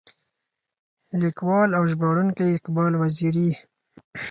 ليکوال او ژباړونکی اقبال وزيري.